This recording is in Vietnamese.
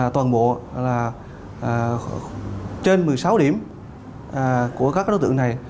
toàn bộ trên một mươi sáu điểm của các đối tượng này